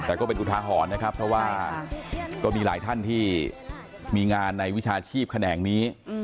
แต่ก็เป็นอุทาหรณ์นะครับเพราะว่าก็มีหลายท่านที่มีงานในวิชาชีพแขนงนี้